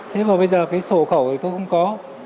thế mà bây giờ cái sổ khẩu thì tôi cũng có